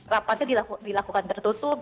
rapatnya dilakukan tertutup